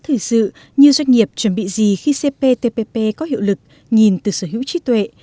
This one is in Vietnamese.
thử dự như doanh nghiệp chuẩn bị gì khi cptpp có hiệu lực nhìn từ sở hữu trí tuệ